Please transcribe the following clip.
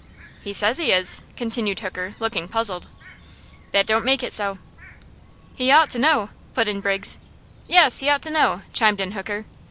"He says he is," continued Hooker, looking puzzled. "That don't make it so." "He ought to know," put in Briggs. "Yes; he ought to know!" chimed in Hooker.